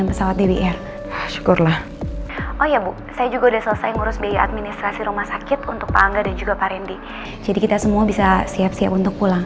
mama tuh cuma punya kamu